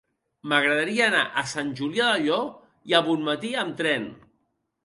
M'agradaria anar a Sant Julià del Llor i Bonmatí amb tren.